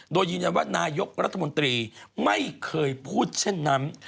โดยยืนยันว่านายกรัฐมนตรีไม่เคยพูดเช่นนั้น